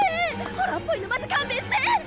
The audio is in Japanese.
ホラーっぽいのマジ勘弁して！